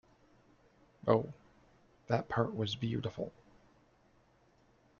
Oh, that part was beautiful.